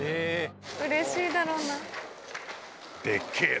うれしいだろうな。